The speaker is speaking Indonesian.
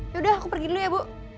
yaudah aku pergi dulu ya bu